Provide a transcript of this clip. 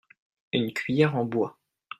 une cuillère en bois.